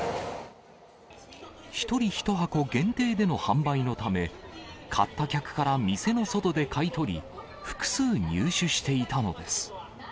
１人１箱限定での販売のため、買った客から店の外で買い取り、複数入手していたのです。